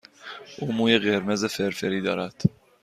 او موی قرمز فرفری دارد.